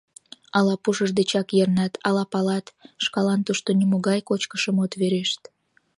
Ала пушыж дечак йырнат, ала палат: шкалан тушто нимогай кочкышым от верешт.